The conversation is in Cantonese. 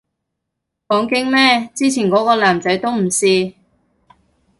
講經咩，之前個個男仔都唔試